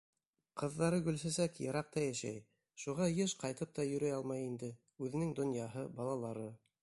Ҡыҙҙары Гөлсәсәк йыраҡта йәшәй, шуға йыш ҡайтып та йөрөй алмай инде, үҙенең донъяһы, балалары.